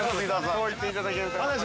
◆そう言っていただけると。